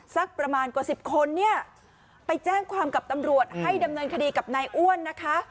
สักประมาณกว่าสิบคนเนี่ยไปแจ้งความกับตำรวจให้ดำเนินคดีกับนายอ้วนนะคะ